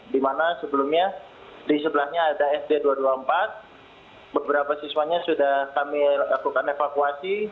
di mana sebelumnya di sebelahnya ada sd dua ratus dua puluh empat beberapa siswanya sudah kami lakukan evakuasi